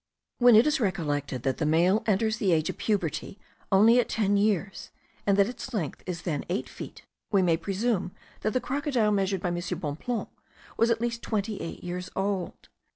When it is recollected that the male enters the age of puberty only at ten years, and that its length is then eight feet, we may presume that the crocodile measured by M. Bonpland was at least twenty eight years old.